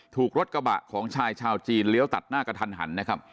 ถูกรถกระบะของชายชาวจีนเลี้ยวตัดหน้ากระทันหันนะครับ